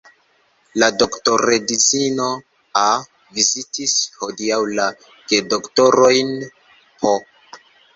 La doktoredzino A. vizitis hodiaŭ la gedoktorojn P.